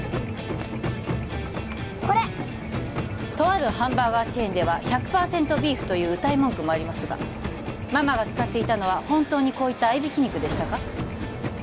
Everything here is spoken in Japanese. これとあるハンバーガーチェーンでは１００％ビーフといううたい文句もありますがママが使っていたのは本当にこういった合いびき肉でしたか？